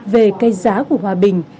về cây giá của hòa bình